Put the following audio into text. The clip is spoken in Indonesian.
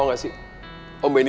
lo tau gak sih om benny